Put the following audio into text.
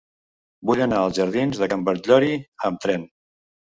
Vull anar als jardins de Can Batllori amb tren.